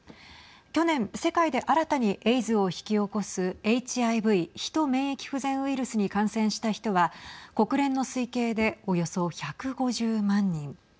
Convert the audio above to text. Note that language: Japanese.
去年、世界で新たにエイズを引き起こすＨＩＶ＝ヒト免疫不全ウイルスに感染した人は国連の推計でおよそ１５０万人。